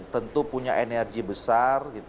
tentu punya energi besar